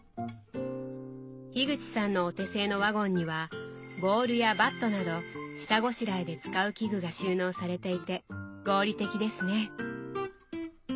口さんのお手製のワゴンにはボウルやバットなど下ごしらえで使う器具が収納されていて合理的ですね。